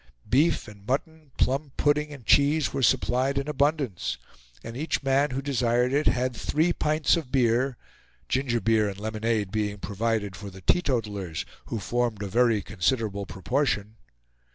Beef and mutton, plum pudding and cheese were supplied in abundance, and each man who desired it had three pints of beer, gingerbeer and lemonade being provided for the teetotalers, who formed a very considerable proportion...